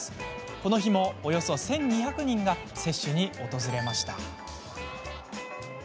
この日も、およそ１２００人が接種に訪れました。